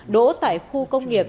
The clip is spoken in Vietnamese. đỗ tại khu công ty việt nam